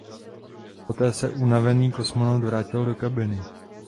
Poté se unavený kosmonaut vrátil do kabiny.